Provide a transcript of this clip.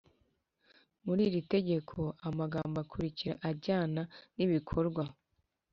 Muri iri tegeko amagambo akurikira ajyana nibikorwa.